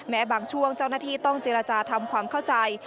บางช่วงเจ้าหน้าที่ต้องเจรจาทำความเข้าใจ